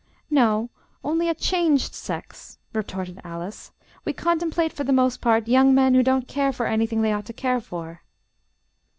"No, only a changed sex," retorted Alice; "we contemplate for the most part young men who don't care for anything they ought to care for."